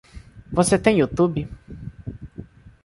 Você tem YouTube?